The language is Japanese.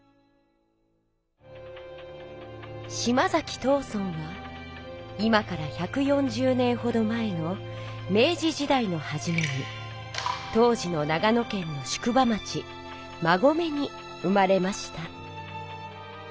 島崎藤村は今から１４０年ほど前の明治時代のはじめに当時の長野県の宿場町馬籠に生まれました。